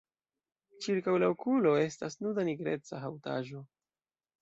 Ĉirkaŭ la okulo estas nuda nigreca haŭtaĵo.